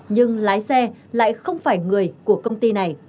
nhưng lái xe lại không phải người của công ty này